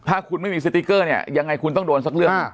ถ้าคุณไม่มีเนี่ยยังไงคุณต้องโดนสักเรื่องอ่า